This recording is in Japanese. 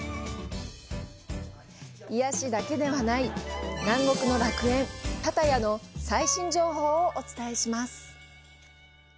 癒やしだけではない、南国の楽園・パタヤの最新情報をお伝えします！